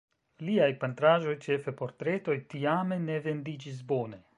Liaj pentraĵoj, ĉefe portretoj, tiame ne vendiĝis bone.